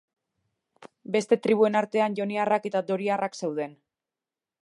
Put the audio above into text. Beste tribuen artean Joniarrak eta Doriarrak zeuden.